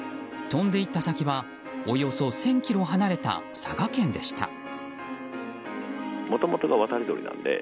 飛んでいった先はおよそ１０００ｋｍ離れた佐賀県でした。